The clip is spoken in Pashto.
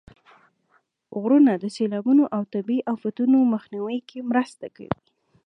غرونه د سیلابونو او طبیعي افتونو مخنیوي کې مرسته کوي.